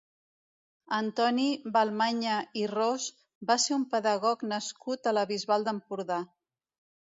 Antoni Balmanya i Ros va ser un pedagog nascut a la Bisbal d'Empordà.